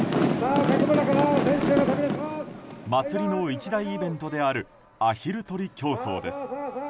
祭りの一大イベントであるアヒル取り競争です。